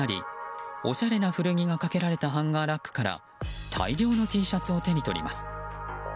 店内に入るなりおしゃれな古着がかけられたハンガーラックから大量のＴシャツを手に取ります。